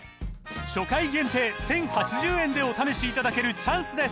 初回限定１，０８０円でお試しいただけるチャンスです